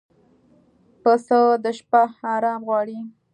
پسه د شپه آرام غواړي.